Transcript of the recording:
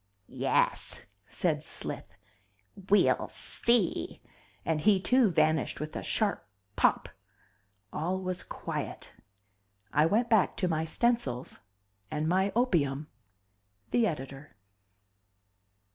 "Yes," said Slith, "we'll see!" And he too vanished with a sharp pop. All was quiet. I went back to my stencils and my opium. THE EDITOR.